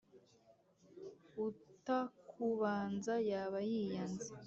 Utakubanza yaba yiyanze,